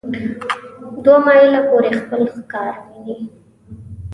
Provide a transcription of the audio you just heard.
دوه مایله پورې خپل ښکار ویني.